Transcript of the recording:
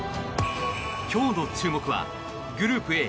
今日の注目はグループＡ